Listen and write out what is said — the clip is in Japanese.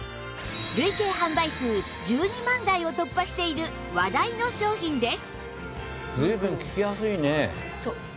累計販売数１２万台を突破している話題の商品です